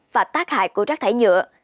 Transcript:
và tác hại của rác thải nhựa